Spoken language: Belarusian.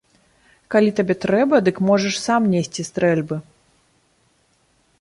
Калі табе трэба, дык можаш сам несці стрэльбы.